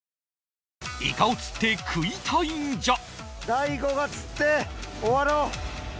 大悟が釣って終わろう。